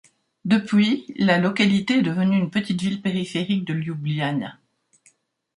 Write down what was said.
Depuis, la localité est devenue une petite ville périphérique de Ljubljana.